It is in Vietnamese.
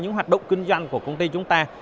những hoạt động kinh doanh của công ty chúng ta